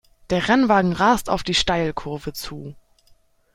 Der Rennwagen rast auf die Steilkurve zu.